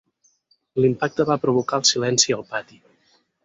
L'impacte va provocar el silenci al pati.